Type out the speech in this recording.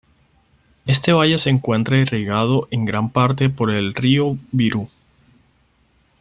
Este valle se encuentra irrigado en gran parte por el río Virú.